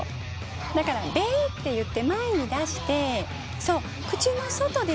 だからべって言って前に出して。